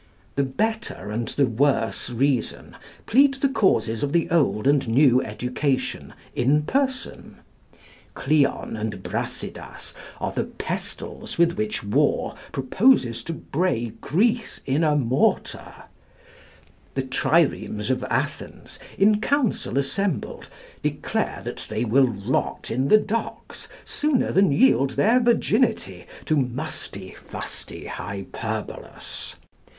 The Better and the Worse Reason plead the causes of the old and new education in person. Cleon and Brasidas are the pestles with which War proposes to bray Greece in a mortar; the triremes of Athens in council assembled declare that they will rot in the docks sooner than yield their virginity to musty, fusty Hyperbolus.